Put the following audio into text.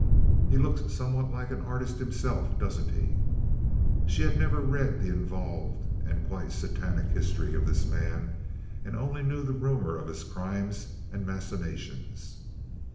He looks somewhat like an artist himself, doesn't he?" She had never read the involved and quite Satanic history of this man, and only knew the rumor of his crimes and machinations.